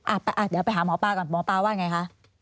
อ่ะเดี๋ยวไปหาหมอปลาก่อนหมอปลาว่าไงคะ